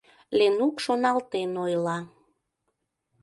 — Ленук шоналтен ойла.